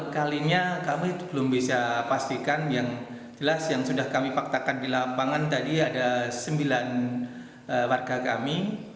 kalinya kami belum bisa pastikan yang jelas yang sudah kami faktakan di lapangan tadi ada sembilan warga kami